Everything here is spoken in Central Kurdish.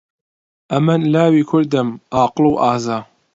ئەمن لاوی کوردم، عاقڵ و ئازا.